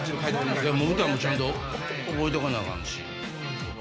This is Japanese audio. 歌もちゃんと覚えとかなアカンし。